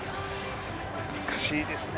難しいですね。